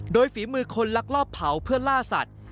โดยฝีมือคนลักลอบเผาเพื่อล่าสัตว์